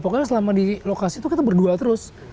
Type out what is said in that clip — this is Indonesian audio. pokoknya selama di lokasi itu kita berdua terus